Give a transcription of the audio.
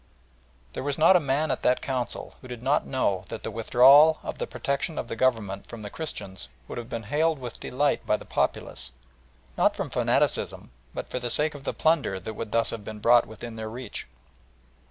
There was not a man at that Council who did not know that the withdrawal of the protection of the Government from the Christians would have been hailed with delight by the populace, not from fanaticism, but for the sake of the plunder that would thus have been brought within their reach.